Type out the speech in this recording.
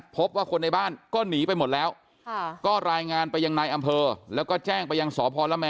พบว่าคนในบ้านก็หนีไปหมดแล้วก็รายงานไปยังนายอำเภอแล้วก็แจ้งไปยังสพละแม